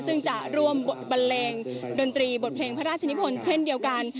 ซึ่งจะร่วมบันเลงดนตรีบทเพลงพระราชนิพลเช่นเดียวกัน